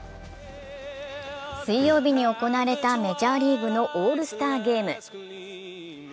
水曜日に行われたメジャーリーグのオールスターゲーム。